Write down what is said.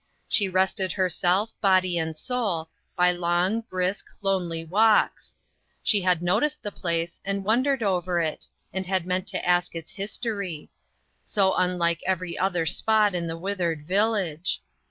She rested her self, body and soul, by long, brisk, lonely walks. She had noticed the place and won dered over it, and had meant to ask its history. So unlike every other spot in the withered village.